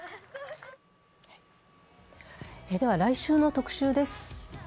来週の特集です。